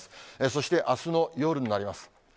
そしてあすの夜になります。